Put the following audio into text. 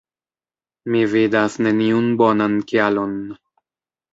Mi vidas neniun bonan kialon...